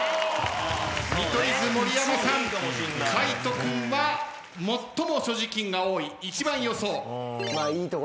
見取り図盛山さん海人君は最も所持金が多い１番予想。